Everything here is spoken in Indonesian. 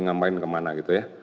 ngamain kemana gitu ya